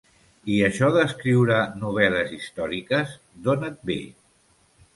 I això d'escriure novel·les històriques, d'on et ve?